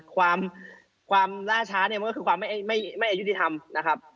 ความล่าช้ามันก็คือความไม่เอียดยุติธรรมนะครับ